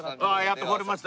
やっと来れました。